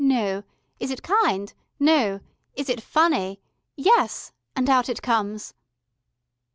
No. Is it kind? No. Is it FUNNY? Yes. And out it comes."